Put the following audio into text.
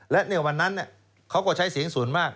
และในวันนั้นเขาก็ใช้เสียงส่วนมาก